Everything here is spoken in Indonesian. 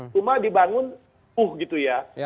rumah dibangun uh gitu ya